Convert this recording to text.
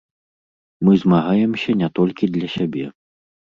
Мы змагаемся не толькі для сябе.